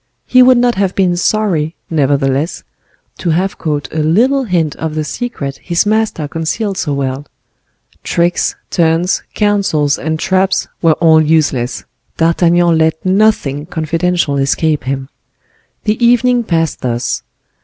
He would not have been sorry, nevertheless, to have caught a little hint of the secret his master concealed so well; tricks, turns, counsels, and traps were all useless, D'Artagnan let nothing confidential escape him. The evening passed thus.